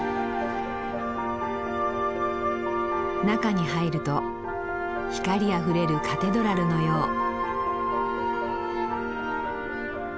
中に入ると光あふれるカテドラルのよう。